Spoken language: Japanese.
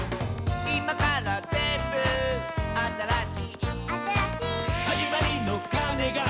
「いまからぜんぶあたらしい」「あたらしい」「はじまりのかねが」